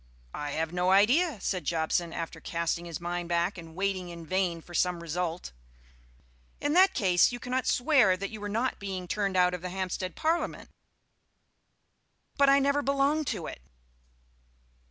"I have no idea," said Jobson, after casting his mind back and waiting in vain for some result. "In that case you cannot swear that you were not being turned out of the Hampstead Parliament " "But I never belonged to it."